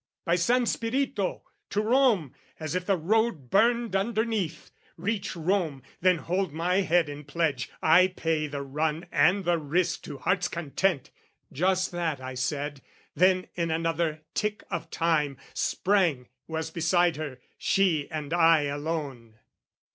"By San Spirito, "To Rome, as if the road burned underneath! "Reach Rome, then hold my head in pledge, I pay "The run and the risk to heart's content!" Just that, I said, then, in another tick of time, Sprang, was beside her, she and I alone.